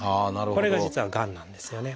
これが実はがんなんですよね。